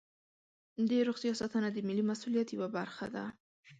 د روغتیا ساتنه د ملي مسؤلیت یوه برخه ده.